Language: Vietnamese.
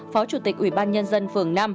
phó chủ tịch ủy ban nhân dân phường năm